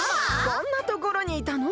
こんなところにいたの！？